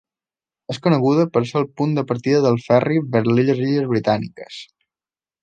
És coneguda per ser el punt de partida dels ferris vers les Illes Britàniques.